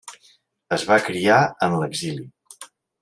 Es va criar en l'exili.